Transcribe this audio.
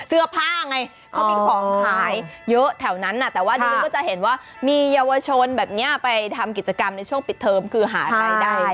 เสื้อผ้าไงเขามีของขายเยอะแถวนั้นแต่ว่าดิฉันก็จะเห็นว่ามีเยาวชนแบบนี้ไปทำกิจกรรมในช่วงปิดเทอมคือหารายได้